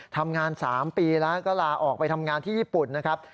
ทำงาน๓ปีแล้วก็ลาออกไปทำงานที่ญี่ปุ่นนะครับ